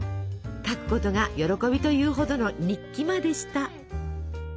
書くことが喜びというほどの日記魔でした。